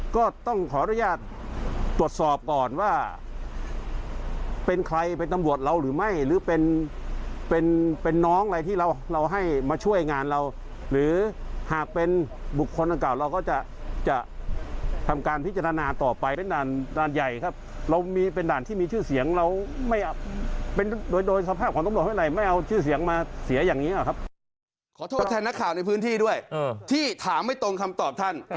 ขอโทษแทนนักข่าวในพื้นที่ด้วยที่ถามไม่ตรงคำตอบท่าน